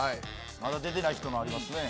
まだ出てない人もありますね。